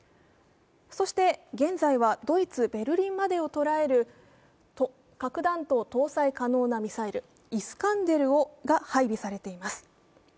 そして現在は、ドイツ・ベルリンまでを捉える核弾頭搭載可能なミサイル、イスカンデルが配備されています。